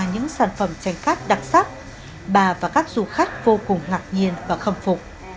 những sản phẩm tranh khát đặc sắc bà và các du khách vô cùng ngạc nhiên và khâm phục